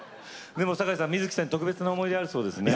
でも酒井さん水木さんに特別な思い出あるそうですね。